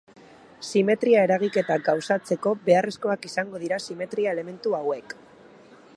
Simetria eragiketak gauzatzeko beharrezkoak izango dira simetria elementu hauek.